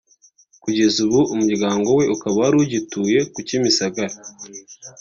kugeza ubu umuryango we ukaba wari ugituye ku Kimisagara